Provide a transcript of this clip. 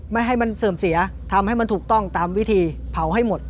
ไม่ให้มันเสื่อมเสียทำให้มันถูกต้องตามวิธีเผาให้หมด